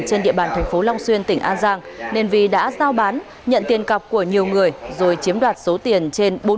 trên địa bàn tp long xuyên tỉnh an giang nền vi đã giao bán nhận tiền cọc của nhiều người rồi chiếm đoạt số tiền trên bốn mươi tỷ đồng